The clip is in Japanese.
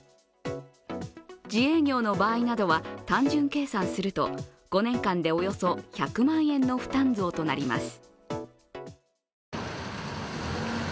自営業の場合などは、単純計算すると５年間でおよそ１００万円の負担増となります。